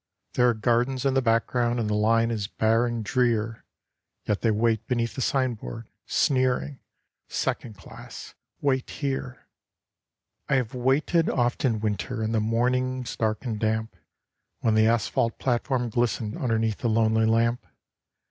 There are gardens in the background, and the line is bare and drear, Yet they wait beneath a signboard, sneering 'Second class wait here.' I have waited oft in winter, in the mornings dark and damp, When the asphalt platform glistened underneath the lonely lamp.